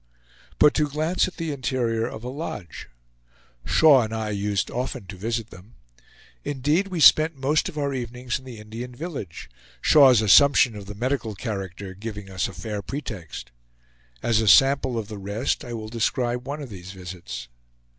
But to glance at the interior of a lodge. Shaw and I used often to visit them. Indeed, we spent most of our evenings in the Indian village; Shaw's assumption of the medical character giving us a fair pretext. As a sample of the rest I will describe one of these visits.